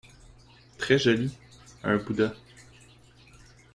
Très joli… un bouddha.